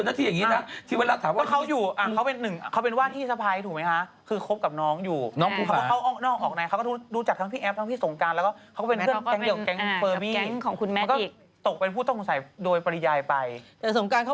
ว่าไม่เกี่ยวถ้าบอกเขาเจอแม็กซ์ที่ฟิตเนตฟิตเนตที่ไหนอ่ะเขาเจอแม็กซ์ที่ไหนอ่ะ